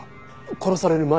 殺される前に？